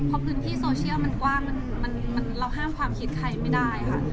เพราะพื้นที่โซเชียลมันกว้างเราห้ามความคิดใครไม่ได้ค่ะ